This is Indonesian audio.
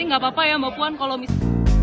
hidup bapak presiden